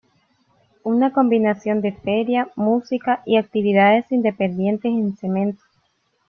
Una combinación de feria, música y actividades independientes en Cemento.